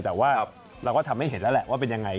แต่ว่าเราก็ทำให้เห็นแล้วแหละว่าเป็นยังไง